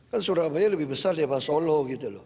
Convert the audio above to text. kan surabaya lebih besar daripada solo gitu loh